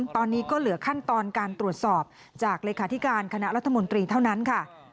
ตอนนี้ก็เหลือขั้นตอนการตรวจสอบจากเลขาธิการคณะรัฐมนตรีเท่านั้นค่ะ